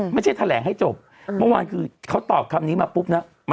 แถลงให้จบเมื่อวานคือเขาตอบคำนี้มาปุ๊บนะ